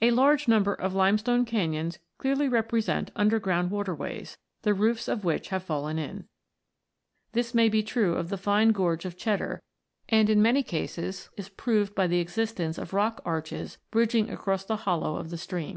A large number of limestone canons clearly represent under ground waterways, the roofs of which have fallen in. This may be true of the fine gorge of Cheddar, and in many cases is proved by the existence of rock arches bridging across the hollow of the stream.